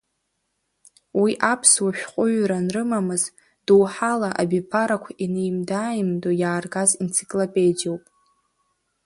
Уи аԥсуаа ашәҟәыҩҩра анрымамыз, доуҳала абиԥарақәа инеимда-ааимдо иааргаз енциклопедиоуп.